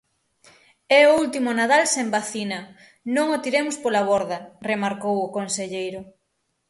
"É o último Nadal sen vacina, non o tiremos pola borda", remarcou o conselleiro.